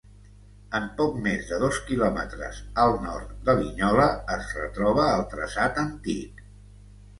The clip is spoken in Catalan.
En poc més de dos quilòmetres, al nord de Linyola, es retroba el traçat antic.